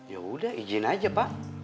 yaudah izin aja pak